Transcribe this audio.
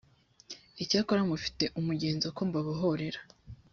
icyakora mufite umugenzo ko mbabohorera